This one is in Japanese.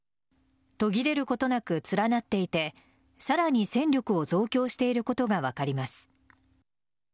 途切れることなく連なっていてさらに戦力を増強していることが分かります。